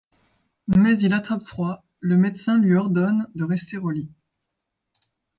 Mais il attrape froid, le médecin lui ordonne de rester au lit.